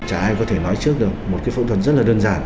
chả ai có thể nói trước được một phẫu thuật rất đơn giản